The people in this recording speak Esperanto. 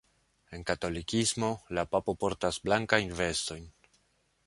En katolikismo la Papo portas blankajn vestojn.